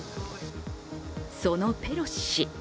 そのペロシ氏